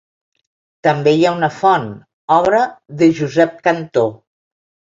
També hi ha una font, obra de Josep Cantó.